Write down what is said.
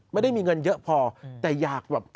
ไม่ได้มีเงินเยอะพอแต่อยากแบบ